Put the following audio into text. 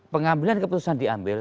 pengambilan keputusan diambil